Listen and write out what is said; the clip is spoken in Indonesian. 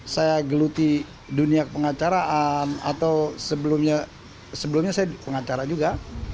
saya geluti dunia pengacaraan atau sebelumnya saya pengacara juga